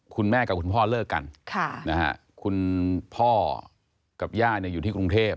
คุณแม่กับคุณพ่อเลิกกันค่านะฮะคุณพ่อกับย่านนี้อยู่ที่กรุงเทพ